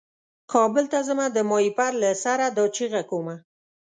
کابل ته ځمه د ماهیپر له سره دا چیغه کومه.